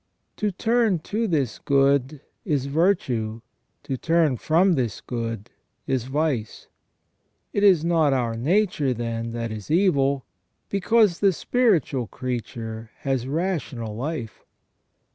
To turn to this good is virtue ; to turn from this good is vice. It is not our nature, then, that is evil, because the spiritual creature has rational life.